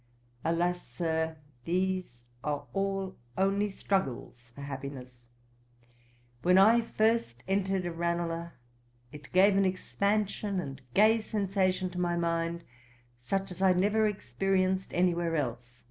'Alas, Sir, these are all only struggles for happiness. When I first entered Ranelagh, it gave an expansion and gay sensation to my mind, such as I never experienced any where else.